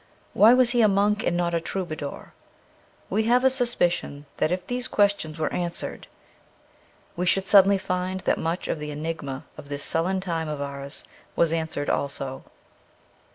Why was he a monk and not a troubadour ? We have a suspicion that if these questions were answered we should suddenly find that much of the enigma of this sullen time of ours was answered also.